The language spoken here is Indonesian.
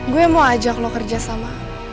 gue mau ajak lo kerja sama